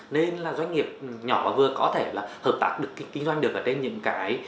nên là doanh nghiệp nhỏ và vừa có thể là hợp tác được kinh doanh được ở trên những cái